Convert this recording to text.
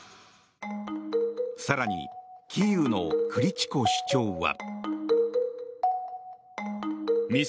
更にキーウのクリチコ市長は。